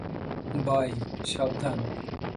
বায, সাবধান!